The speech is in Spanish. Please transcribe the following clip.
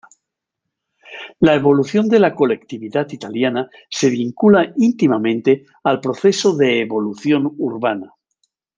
La evolución de la colectividad italiana se vincula íntimamente al proceso de evolución urbana.